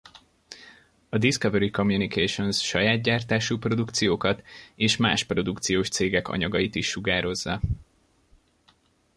A Discovery Communications saját gyártású produkciókat és más produkciós cégek anyagait is sugározza.